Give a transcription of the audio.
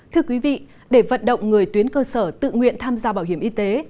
thưa quý vị để vận động người tuyến cơ sở tự nguyện tham gia bảo hiểm y tế